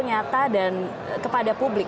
nyata dan kepada publik